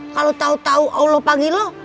kalo tau tau allah panggil lo